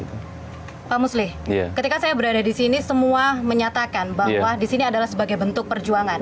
pak musli ketika saya berada di sini semua menyatakan bahwa disini adalah sebagai bentuk perjuangan